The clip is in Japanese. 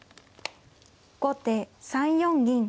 後手３四銀。